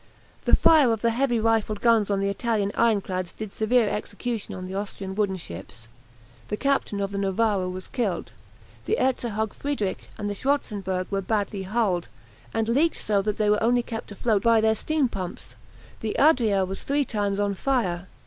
The fire of the heavy rifled guns on the Italian ironclads did severe execution on the Austrian wooden ships. The captain of the "Novara" was killed; the "Erzherzog Friedrich" and the "Schwarzenberg" were badly hulled, and leaked so that they were only kept afloat by their steam pumps. The "Adria" was three times on fire.